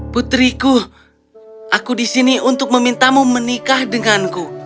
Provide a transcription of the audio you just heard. putriku aku di sini untuk memintamu menikah denganku